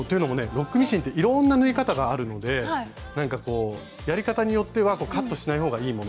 ロックミシンっていろんな縫い方があるのでなんかこうやり方によってはカットしない方がいいもの